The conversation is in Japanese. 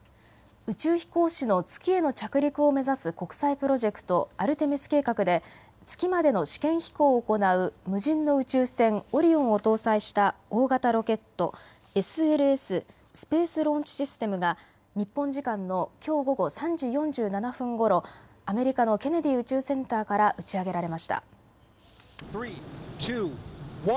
宇宙飛行士の月への着陸を目指す国際プロジェクト、アルテミス計画で月までの試験飛行を行う無人の宇宙船、オリオンを搭載した大型ロケット、ＳＬＳ・スペース・ローンチ・システムが日本時間のきょう午後３時４７分ごろ、アメリカのケネディ宇宙センターから打ち上げられました。